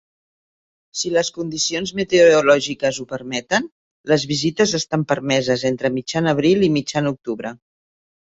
Si les condicions meteorològiques ho permeten, les visites estan permeses entre mitjan abril i mitjan octubre.